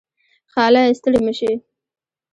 خاله . ستړې مشې